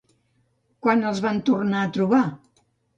Quan els van tornar a trobar?